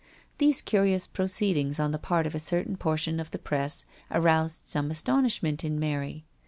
These curious proceed ings on the part of a certain portion of the " press " aroused some astonishment in Mary.